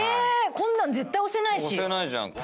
こんなん絶対押せないし。